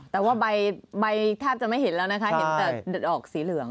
แต่ว่าใบแทบจะไม่เห็นแล้วนะคะเห็นแต่ดอกสีเหลือง